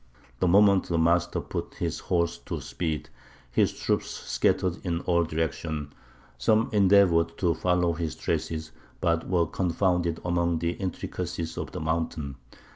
The moment the Master put his horse to speed, his troops scattered in all directions: some endeavoured to follow his traces, but were confounded among the intricacies of the mountain.